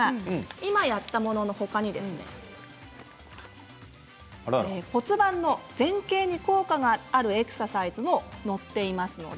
今やったものの他に骨盤の前傾に効果があるエクササイズも載っています。